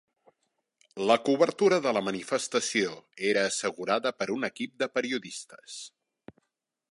La cobertura de la manifestació era assegurada per un equip de periodistes.